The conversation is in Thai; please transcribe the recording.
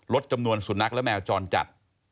จำนวนสุนัขและแมวจรจัด